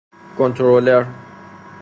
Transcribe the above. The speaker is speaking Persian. کنترلر